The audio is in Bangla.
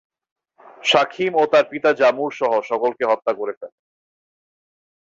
শাখীম ও তার পিতা জামূরসহ সকলকে হত্যা করে ফেলে।